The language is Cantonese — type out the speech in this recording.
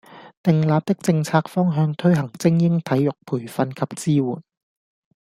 訂立的政策方向推行精英體育培訓及支援